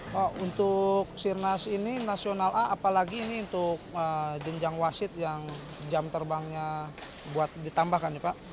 pak untuk sirnas ini nasional a apalagi ini untuk jenjang wasit yang jam terbangnya buat ditambahkan pak